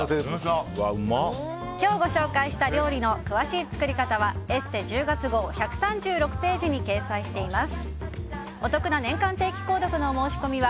今日ご紹介した料理の詳しい作り方は「ＥＳＳＥ」１０月号１３６ページに掲載しています。